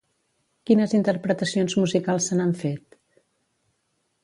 Quines interpretacions musicals se n'han fet?